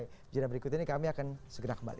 di jenis berikut ini kami akan segera kembali